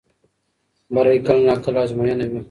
بری کله ناکله ازموینه وي.